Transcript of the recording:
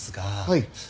はい。